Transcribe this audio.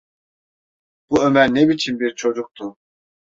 Bu Ömer ne biçim bir çocuktu?